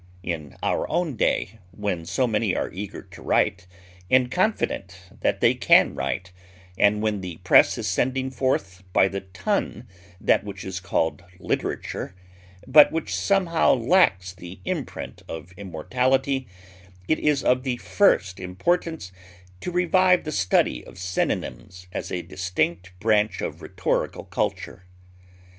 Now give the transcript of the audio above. In our own day, when so many are eager to write, and confident that they can write, and when the press is sending forth by the ton that which is called literature, but which somehow lacks the imprint of immortality, it is of the first importance to revive the study of synonyms as a distinct branch of rhetorical culture.